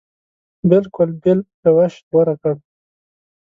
بلکل بېل روش غوره کړ.